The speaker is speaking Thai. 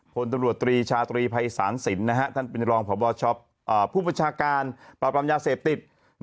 พลตำรวจตรีชาตรีภัยศาลสินท่านเป็นรองผู้บัญชาการปราบรามยาเสพติด